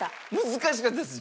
難しかったです。